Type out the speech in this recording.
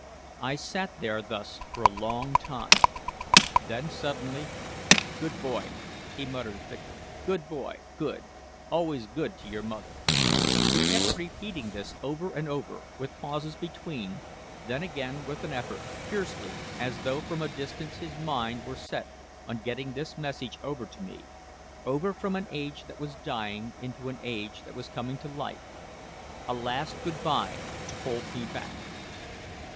I sat there thus for a long time. Then suddenly, "Good boy," he muttered thickly. "Good boy good always good to your mother!" He kept repeating this over and over, with pauses between, then again with an effort, fiercely, as though from a distance his mind were set on getting this message over to me, over from an age that was dying into an age that was coming to life, a last good by to hold me back.